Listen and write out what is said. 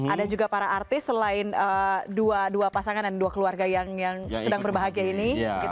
ada juga para artis selain dua pasangan dan dua keluarga yang sedang berbahagia ini